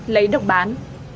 lấy độc bán